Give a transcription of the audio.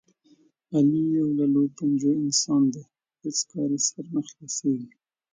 علي یو للوپنجو انسان دی، په هېڅ کار یې سر نه خلاصېږي.